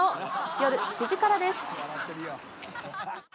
夜７時からです。